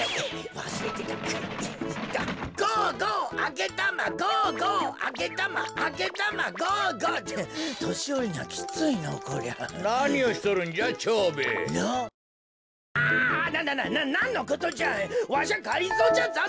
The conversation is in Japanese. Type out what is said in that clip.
わしゃがりぞーじゃぞってか。